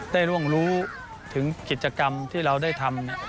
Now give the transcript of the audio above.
ร่วงรู้ถึงกิจกรรมที่เราได้ทำ